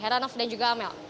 ranoff dan juga amel